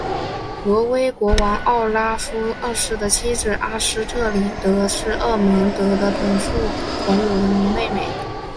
挪威国王奥拉夫二世的妻子阿斯特里德是厄蒙德的同父同母妹妹。